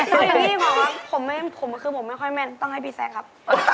พี่พี่บอกว่าผมไม่ค่อยแม่นต้องให้พี่แซะครับ